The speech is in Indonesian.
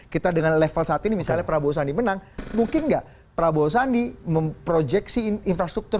kita dengan level saat ini misalnya prabowo sandi menang mungkin nggak prabowo sandi memprojeksi infrastruktur